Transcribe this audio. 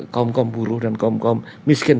kaum kaum buruh dan kaum kaum miskin